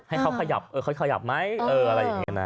ให้เขาขยับขยับมั้ยอะไรอย่างนี้นะ